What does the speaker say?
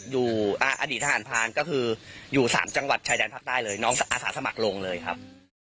อยู่อดีตทหารพรานก็คืออยู่๓จังหวัดชายแดนภาคใต้เลยน้องอาสาสมัครลงเลยครับ